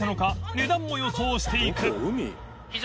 値段も予想していくＪＰ）